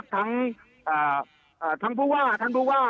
ทั้งผู้ว่าท่านอธิบดี